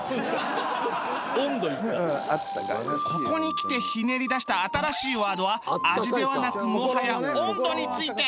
ここにきてひねり出した新しいワードは味ではなくもはや温度について